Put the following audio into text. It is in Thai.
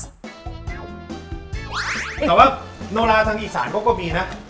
แต่ว่าโนราทางอีสานเขาก็มีนะ